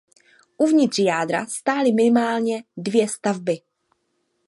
Uvnitř jádra stály minimálně dvě stavby.